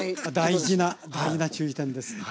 大事な大事な注意点です。